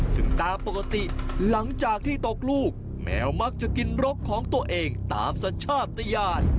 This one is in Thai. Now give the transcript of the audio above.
ซึ่งตามปกติหลังจากที่ตกลูกแมวมักจะกินรกของตัวเองตามสัญชาติยาน